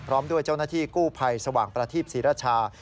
พร้อมด้วยเจ้าหน้าที่กู้ภัยสว่างประทีปศรีราชา